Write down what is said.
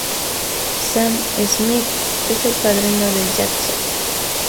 Sam Smith es el padrino de Jackson.